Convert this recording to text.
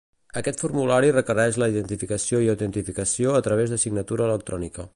Aquest formulari requereix la identificació i autentificació a través de signatura electrònica.